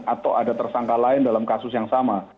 atau ada tersangka lain dalam kasus yang sama